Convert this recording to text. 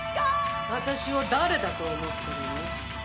私を誰だと思ってるの？